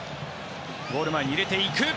ゴール前に入れていく。